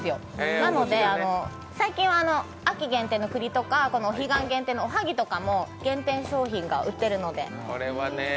なので最近は秋限定の栗とかお彼岸限定のおはぎとか、限定商品を売ってるんで。